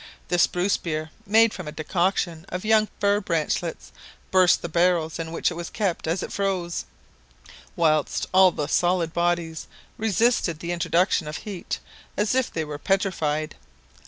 The spruce beer made from a decoction of young fir branchlets burst the barrels in which it was kept as it froze, whilst all solid bodies resisted the introduction of heat as if they were petrified.